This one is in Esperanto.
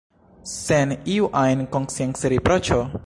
Sen iu ajn konsciencriproĉo...